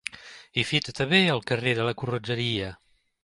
Hi fita també el carrer de la Corretgeria.